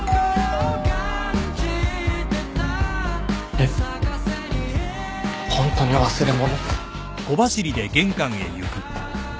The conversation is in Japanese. ・えっホントに忘れ物？